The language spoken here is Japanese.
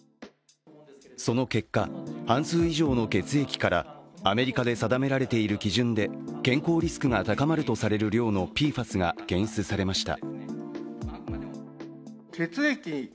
その結果、半数以上の血液からアメリカで定められている基準で健康リスクが高まるとされる量のＰＦＡＳが検出されました。